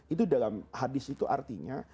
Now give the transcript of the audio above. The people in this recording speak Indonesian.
itu dalam hadis itu artinya